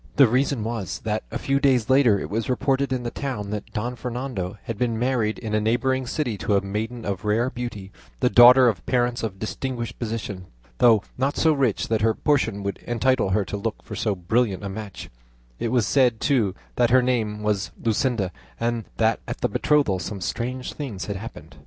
The reason was, that a few days later it was reported in the town that Don Fernando had been married in a neighbouring city to a maiden of rare beauty, the daughter of parents of distinguished position, though not so rich that her portion would entitle her to look for so brilliant a match; it was said, too, that her name was Luscinda, and that at the betrothal some strange things had happened."